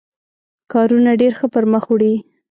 کارونه ډېر ښه پر مخ وړي.